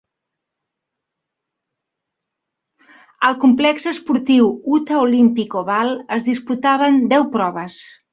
Al complex esportiu Utah Olympic Oval es disputaven deu proves.